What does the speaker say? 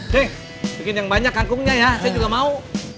deh bikin yang banyak kangkungnya ya saya juga mau